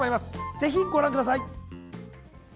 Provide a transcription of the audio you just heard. ぜひご覧ください。